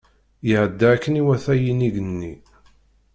Iɛedda akken iwata yinig-nni.